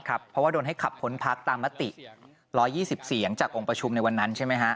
เพราะว่าโดนให้ขับพ้นพักตามมติ๑๒๐เสียงจากองค์ประชุมในวันนั้นใช่ไหมฮะ